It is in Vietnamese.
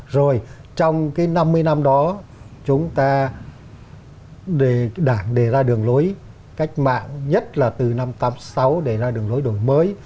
rồi trong cái năm mươi năm đó chúng ta đề đảng đề ra đường lối cách mạng nhất là từ năm tám mươi sáu đề ra đường lối đổi mới